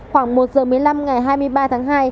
khoảng một giờ một mươi năm ngày hai mươi ba tháng hai